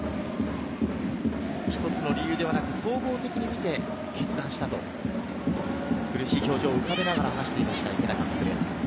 １つの理由ではなく総合的に見て決断したと苦しい表情を浮かべながら話していました、池田監督です。